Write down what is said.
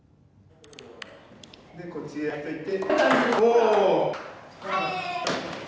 でこっちへ入っといて。